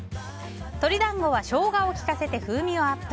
鶏団子はショウガを利かせて風味をアップ。